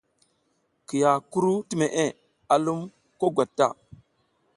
Kiya kuru ti meʼe a lum ko gwat ta.